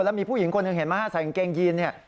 แล้วมีผู้หญิงคนหนึ่งเห็นไหมฮะใส่กางเกงยีนเนี่ย